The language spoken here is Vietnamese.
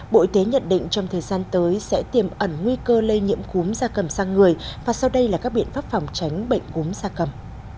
bộ y tế nhận định trong thời gian tới sẽ tiềm ẩn nguy cơ lây nhiễm cúm gia cầm sang người và sau đây là các biện pháp phòng tránh bệnh cúm da cầm